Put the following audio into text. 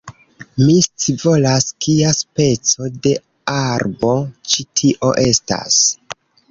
Mi scivolas, kia speco de arbo, ĉi tio estas